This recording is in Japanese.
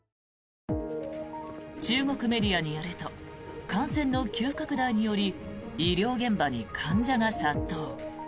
中国メディアによると感染の急拡大により医療現場に患者が殺到。